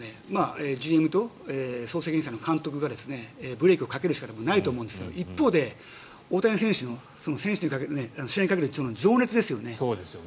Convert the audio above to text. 止めるとしたら球団がＧＭと総責任者の監督がブレーキをかけるしかないと思うんですが一方で大谷選手の試合にかける情熱ですよね。